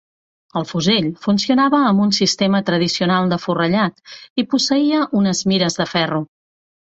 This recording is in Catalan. El fusell funcionava amb un sistema tradicional de forrellat, i posseïa unes mires de ferro.